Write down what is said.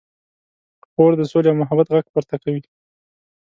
خور د سولې او محبت غږ پورته کوي.